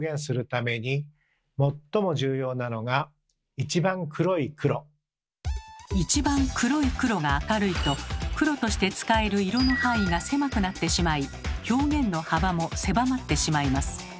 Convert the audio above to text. この一番黒い黒が明るいと黒として使える色の範囲が狭くなってしまい表現の幅も狭まってしまいます。